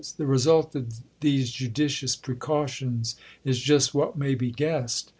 The result of these judicious precautions is just what may be guessed.